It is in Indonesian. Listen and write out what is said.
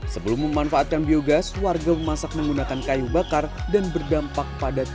sebelum ada biogas masaknya lpg